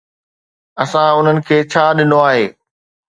اسان انهن کي ڇا ڏنو آهي؟